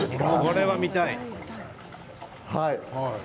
これは見たい。